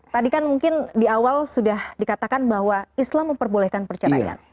tadi kan mungkin di awal sudah dikatakan bahwa islam memperbolehkan perceraian